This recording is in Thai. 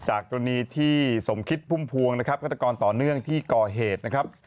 กรณีที่สมคิดพุ่มพวงนะครับฆาตกรต่อเนื่องที่ก่อเหตุนะครับ